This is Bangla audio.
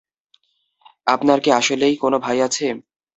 আপনার কি আসলেই কোন ভাই আছে?